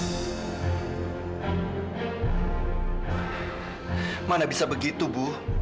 bagaimana kamu bisa begitu bu